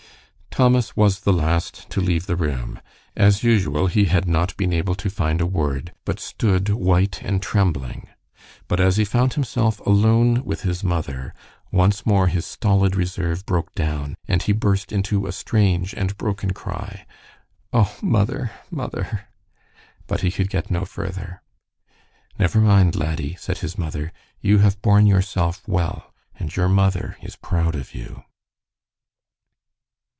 Thomas was the last to leave the room. As usual, he had not been able to find a word, but stood white and trembling, but as he found himself alone with his mother, once more his stolid reserve broke down, and he burst into a strange and broken cry, "Oh, mother, mother," but he could get no further. "Never mind, laddie," said his mother, "you have borne yourself well, and your mother is proud of you."